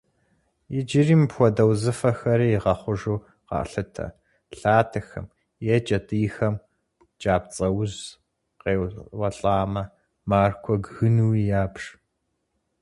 Иджыри мыпхуэдэ узыфэхэри игъэхъужу къалъытэ: лъатэхэм е кӏэтӏийхэм кӏапцӏэуз къеуэлӏамэ, маркуэ гынуи ябж.